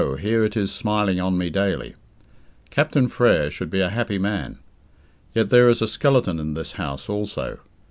here it is smiling on me daily. Captain Frere should be a happy man. Yet there is a skeleton in this house also.